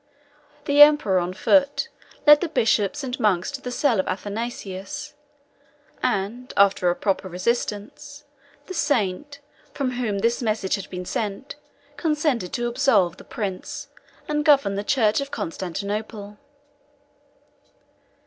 The emperor on foot led the bishops and monks to the cell of Athanasius; and, after a proper resistance, the saint, from whom this message had been sent, consented to absolve the prince, and govern the church of Constantinople.